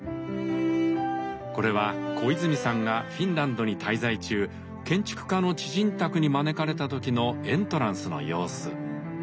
これは小泉さんがフィンランドに滞在中建築家の知人宅に招かれた時のエントランスの様子。